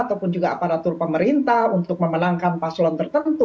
ataupun juga aparatur pemerintah untuk memenangkan paslon tertentu